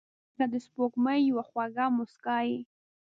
• ته لکه د سپوږمۍ یوه خواږه موسکا یې.